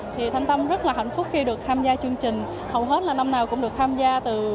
thành tâm rất là hạnh phúc khi được tham gia chương trình hầu hết là năm nào cũng được tham gia